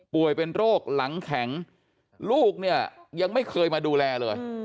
เป็นโรคหลังแข็งลูกเนี่ยยังไม่เคยมาดูแลเลย